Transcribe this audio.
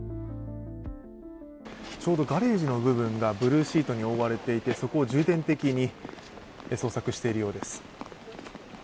ちょうどガレージの部分がブルーシートに覆われていてそこを重点的に捜索しているようです。